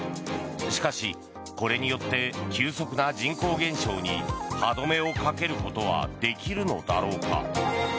しかし、これによって急速な人口減少に歯止めをかけることはできるのだろうか。